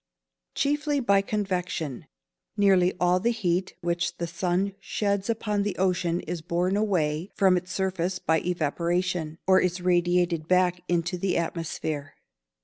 _ Chiefly by convection. Nearly all the heat which the sun sheds upon the ocean is borne away from its surface by evaporation, or is radiated back into the atmosphere.